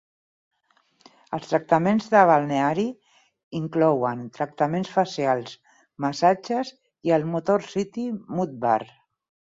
Els tractaments de balneari inclouen tractaments facials, massatges i el MotorCity Mud Bar.